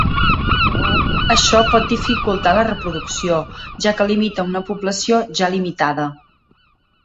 Això pot dificultar la reproducció, ja que limita una població ja limitada.